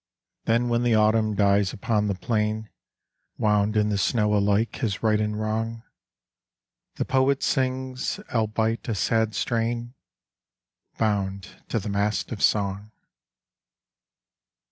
Then when the Autumn dies upon the plain, Wound in the snow alike his right and wrong, The poet sings, — albeit a sad strain, — Bound to the Mast of Song.